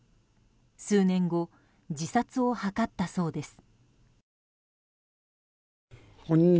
数年後、自殺を図ったそうです。